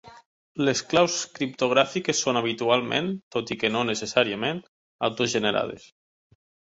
Les claus criptogràfiques són habitualment, tot i que no necessàriament, auto-generades.